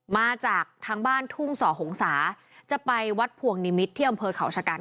มาจากทางบ้านทุ่งส่อหงษาจะไปวัดพวงนิมิตรที่อำเภอเขาชะกัน